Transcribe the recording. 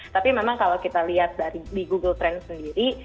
tapi memang kalau kita lihat di google trend sendiri